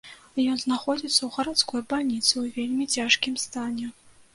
Ён знаходзіцца ў гарадской бальніцы ў вельмі цяжкім стане.